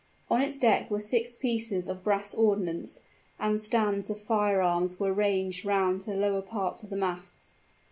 On its deck were six pieces of brass ordnance; and stands of fire arms were ranged round the lower parts of the masts.